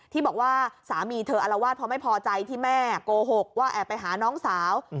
ที่บอกว่าสามีเธออารวาสเพราะไม่พอใจที่แม่โกหกว่าแอบไปหาน้องสาว